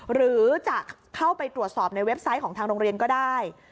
หรือจะเข้าไปตรวจสอบในเว็บไซต์ของทางโรงเรียนก็ได้